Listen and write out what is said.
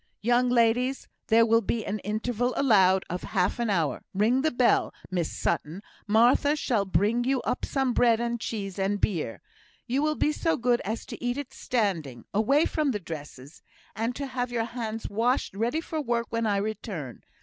"Young ladies! there will be an interval allowed of half an hour. Ring the bell, Miss Sutton. Martha shall bring you up some bread and cheese and beer. You will be so good as to eat it standing away from the dresses and to have your hands washed ready for work when I return.